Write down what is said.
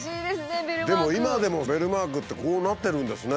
でも今でもベルマークってこうなってるんですね。